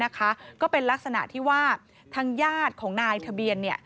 ก็เป็นลักษณะที่ว่าทางญาติของนายทะเบียน